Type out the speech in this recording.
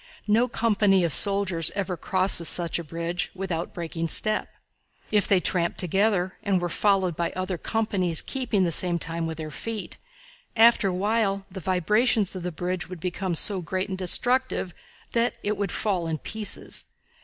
No company of soldiers ever crosses such a bridge without breaking step. If they tramped together, and were followed by other companies keeping the same time with their feet, after a while the vibrations of the bridge would become so great and destructive that it would fall in pieces.